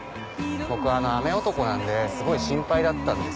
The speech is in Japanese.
僕雨男なんですごい心配だった。